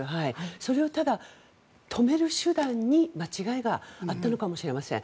それをただ、止める手段に間違いがあったのかもしれません。